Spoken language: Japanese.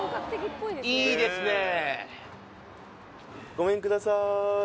ごめんください